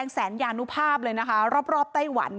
แสนยานุภาพเลยนะคะรอบไต้หวัน